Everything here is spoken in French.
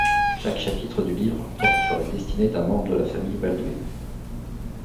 Chaque chapitre du livre porte sur la destinée d'un membre de la famille Baldwin.